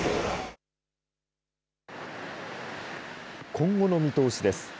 今後の見通しです。